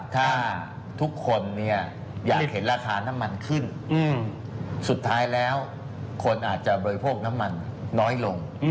ถ้าทุกคนอยากเห็นราคาน้ำมันขึ้นสุดท้ายแล้วคนอาจจะบริโภคน้ำมันน้อยลง